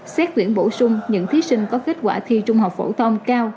xét tuyển bổ sung những thí sinh có kết quả thi trung học phổ thông cao